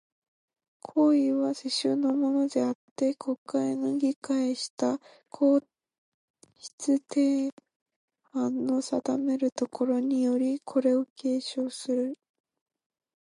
皇位は、世襲のものであつて、国会の議決した皇室典範の定めるところにより、これを継承する。